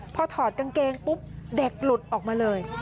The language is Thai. พอถอดกางเกงปุ๊บเด็กหลุดออกมาเลย